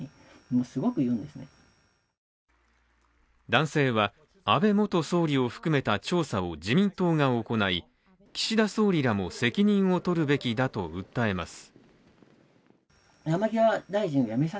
男性は、安倍元総理を含めた調査を自民党が行い岸田総理らも責任を取るべきだと訴えます。